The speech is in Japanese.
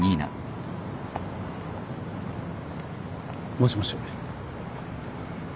もしもし。